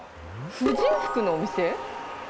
婦人服のお店？